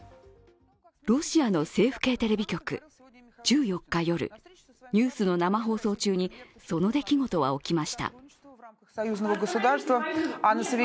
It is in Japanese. ロシアの政府系テレビ局、１４日夜、ニュースの生放送中にその出来事は起きました。